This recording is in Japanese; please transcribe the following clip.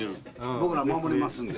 僕ら守りますんで。